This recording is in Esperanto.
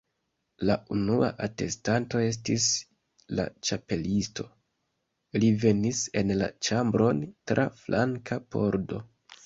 La unua atestanto estis la Ĉapelisto. Li venis en la ĉambron tra flanka pordo.